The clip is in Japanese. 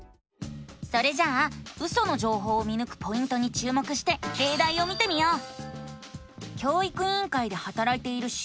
それじゃあウソの情報を見ぬくポイントに注目してれいだいを見てみよう！